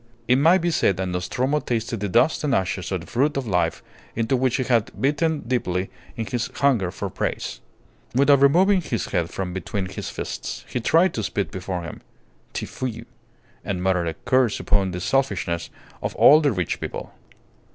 It may be said that Nostromo tasted the dust and ashes of the fruit of life into which he had bitten deeply in his hunger for praise. Without removing his head from between his fists, he tried to spit before him "Tfui" and muttered a curse upon the selfishness of all the rich people.